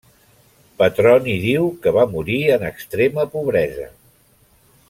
Petroni diu que va morir en extrema pobresa.